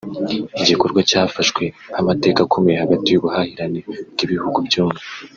igikorwa cyafashwe nk’amateka akomeye hagati y’ubuhahirane bw’ibihugu byombi